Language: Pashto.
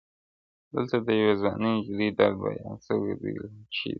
دلته د يوې ځواني نجلۍ درد بيان سوی دی چي له ,